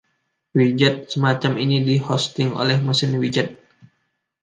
Widget semacam ini dihosting oleh mesin widget.